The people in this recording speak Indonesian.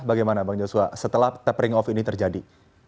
bagaimana bang joshua setelah tapering off ini terjadi